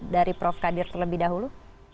dari prof kadir terlebih dahulu